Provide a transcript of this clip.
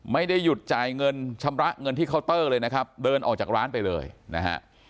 ไม่ได้หยุดจ่ายเงินชำระเงินที่เคาน์เตอร์เลยนะครับเดินออกจากร้านไปเลยนะฮะ